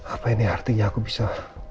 apa ini artinya aku bisa